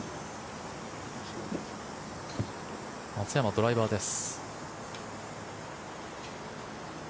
松山、ドライバーです。